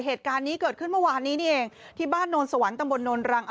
เหตุการณ์นี้เกิดขึ้นเมื่อวานนี้นี่เองที่บ้านโนนสวรรค์ตำบลโนนรัง